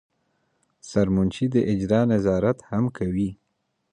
سرمنشي د اجرا نظارت هم کوي.